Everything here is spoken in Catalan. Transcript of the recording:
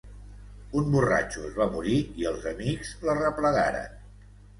Un borratxo es va morir i els amics l’arreplegaren.